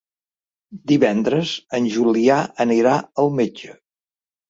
Divendres en Julià anirà al metge.